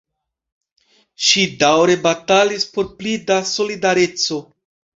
Ŝi daŭre batalis por pli da solidareco.